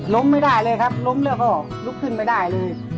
ล้มไม่ได้เลยครับล้มเลือดเขาออกลุกขึ้นไม่ได้เลย